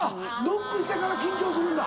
ノックしてから緊張するんだ。